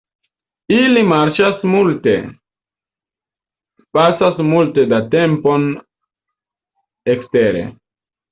Ili marŝas multe, pasas multe da tempon ekstere.